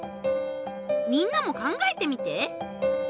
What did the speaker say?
みんなも考えてみて！